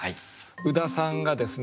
宇多さんがですね